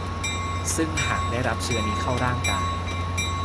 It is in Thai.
ซึ่งหากได้รับเชื้อนี้เข้าร่างกาย